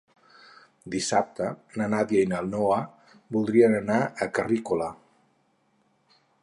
Dissabte na Nàdia i na Noa voldrien anar a Carrícola.